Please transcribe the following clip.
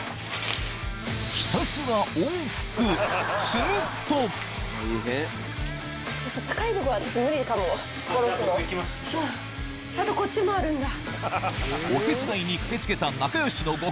するとあとこっちもあるんだ。